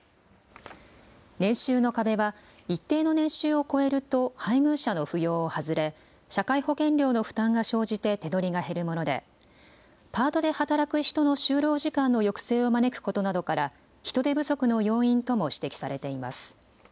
年収の壁は、一定の年収を超えると配偶者の扶養を外れ、社会保険料の負担が生じて手取りが減るもので、パートで働く人の就労時間の抑制を招くことなどから、人手不足の要因とも指摘されています。